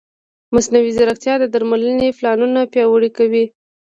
مصنوعي ځیرکتیا د درملنې پلانونه پیاوړي کوي.